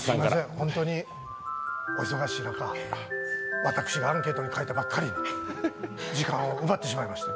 本当にお忙しい中、私がアンケートに書いたばかりに時間を奪ってしまいました。